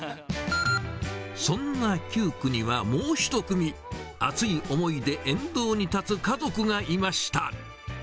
そんな９区には、もう１組、熱い思いで沿道に立つ家族がいました。